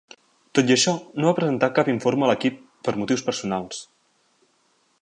Tot i això, no va presentar cap informe a l'equip per motius personals.